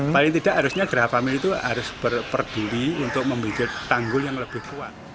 paling tidak harusnya gerah famili itu harus berperdiri untuk membuat tanggul yang lebih kuat